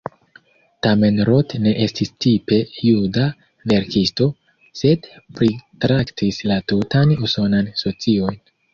Tamen Roth ne estis tipe juda verkisto, sed pritraktis la tutan usonan socion.